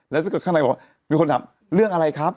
แล้วถ้าเกิดข้างในบอกว่ามีคนถามเรื่องอะไรครับ